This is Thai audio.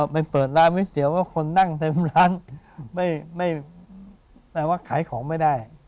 ไปเปิดร้านวิทยาว่าคนนั่งเต็มร้านแน่ว่าขายของไม่ได้